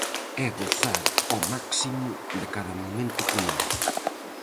É gozar ao máximo de cada momento con el.